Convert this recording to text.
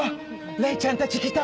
レイちゃんたち来た！